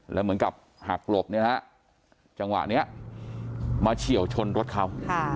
แล้วเหมือนกับหักหลบเนี่ยนะฮะจังหวะนี้มาเฉียวชนรถเขา